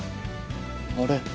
あれ。